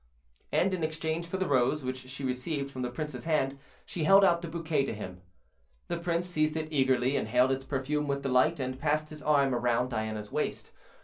And in exchange for the rose which she received from the prince's hand, she held out the bouquet to him. The prince seized it eagerly, inhaled its perfume with delight, and passed his arm around Diana's waist.